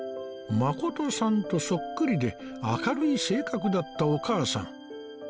まことさんとそっくりで明るい性格だったお母さん